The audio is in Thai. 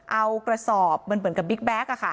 เอากระสอบเหมือนกับบิ๊กแบ็ค